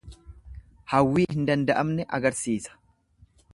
Hawwii hin danda'amne agarsisa.